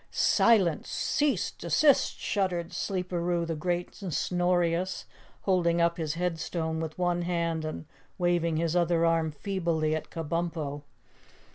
"Silence! Cease! Desist!" shuddered Sleeperoo the Great and Snorious, holding up his headstone with one hand and waving his other arm feebly at Kabumpo.